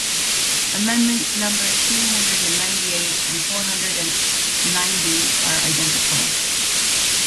Amendments numbers three hundred and ninety-eight and four hundred and ninety are identical.